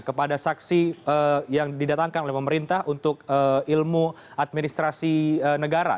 kepada saksi yang didatangkan oleh pemerintah untuk ilmu administrasi negara